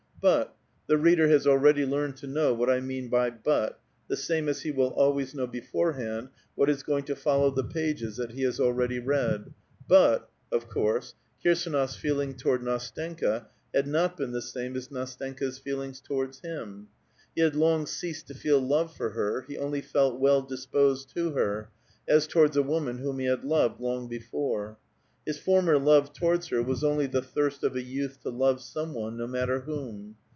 Bu^, — the reader has already learned to know what I mean ^y hut the same as he will always know beforehand what is going to follow the pages that he has already read, — hut^ of ^^urse, Kirsdnof's feeling towards Ndstenka had not been the same as Ndstenka's feelings towards him ; he had long erased to feel love for her ; he only felt well disposed to her, *® towards a woman whom he had loved long before. His former love towards her was only the thirst of a youth to *^ve some one, no matter whom.